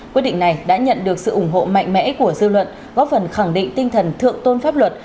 quyết định này đã nhận được sự ủng hộ mạnh mẽ của dư luận góp phần khẳng định tinh thần thượng tôn pháp luật